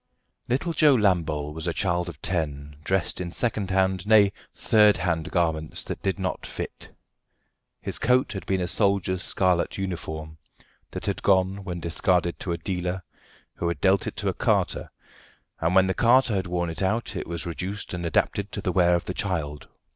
Little Joe Lambole was a child of ten, dressed in second hand, nay, third hand garments that did not fit. His coat had been a soldier's scarlet uniform, that had gone when discarded to a dealer, who had dealt it to a carter, and when the carter had worn it out it was reduced and adapted to the wear of the child.